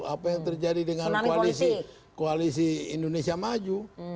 apa yang terjadi dengan koalisi indonesia maju